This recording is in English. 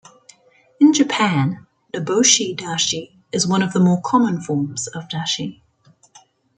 In Japan, "niboshi dashi" is one of the more common forms of dashi.